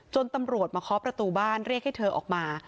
ตำรวจมาเคาะประตูบ้านเรียกให้เธอออกมา